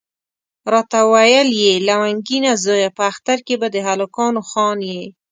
راته ویل یې لونګینه زویه په اختر کې به د هلکانو خان یې.